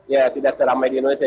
ya tidak seramai di indonesia